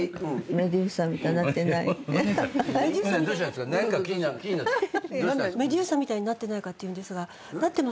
メデューサみたいになってないかと言うんですがなってますよね？